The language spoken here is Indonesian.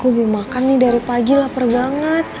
aku belum makan nih dari pagi lapar banget